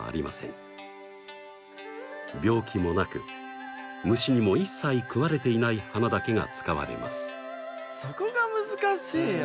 病気もなく虫にも一切食われていない花だけが使われます。